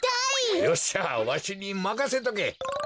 よっしゃわしにまかせとけ！